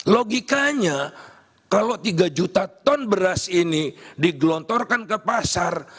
logikanya kalau tiga juta ton beras ini digelontorkan ke pasar